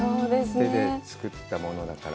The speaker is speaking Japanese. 手で作ったものだから。